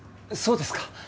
そうですか。